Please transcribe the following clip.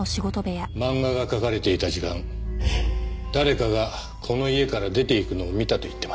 漫画が描かれていた時間誰かがこの家から出て行くのを見たと言ってます。